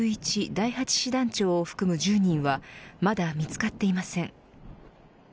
第８師団長を含む１０人はまだ見つかっていません。